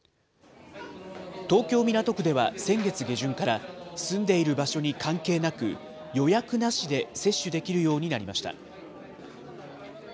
東京・港区では先月下旬から、住んでいる場所に関係なく、予約なしで接種できるようになりました。